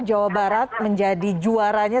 jawa barat menjadi juaranya